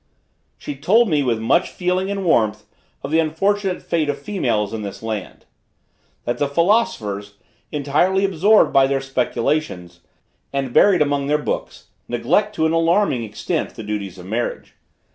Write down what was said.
She told me with much feeling and warmth of the unfortunate fate of females in this land: that the philosophers, entirely absorbed by their speculations, and buried among their books, neglect to an alarming extent, the duties of marriage.